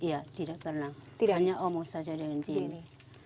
iya tidak pernah hanya omong saja dengan jenny